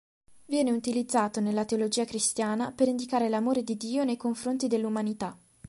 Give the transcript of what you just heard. Viene utilizzato nella teologia cristiana per indicare l'amore di Dio nei confronti dell'umanità.